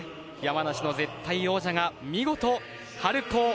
山梨の絶対王者が見事春高